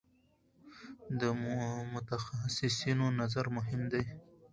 د متخصصینو نظر مهم دی.